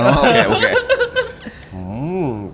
โอเคโอเค